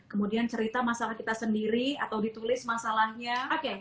kemudian cerita masalah kita sendiri atau ditulis masalahnya